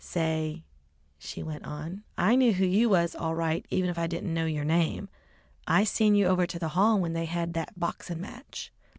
"Say," she went on, "I knew who you was all right even if I didn't know yer name. I seen you over to the hall when they had the boxin' match."